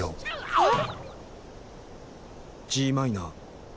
あっ。